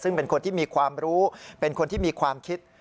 ซึ่งเป็นคนที่มีความรู้เป็นคนที่มีความคิด